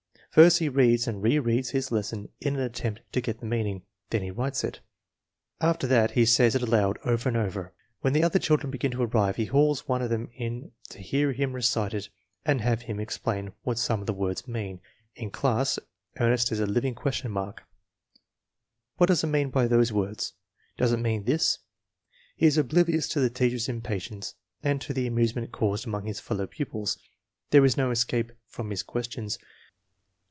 First he reads and re reads his lesson in an attempt to get the meaning. Then he writes it. After that he says it aloud over and over. When the other children begin to arrive he hauls one of them in to hear him recite it and to have him explain what some of the words mean. In class, Ernest is a living question mark. "What does it mean by those words?" "Does it mean this?" He is oblivious to the teacher's impatience and to the amusement caused among his fellow pupils. There is no escape from his questions.